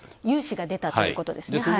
融資が出たということですね。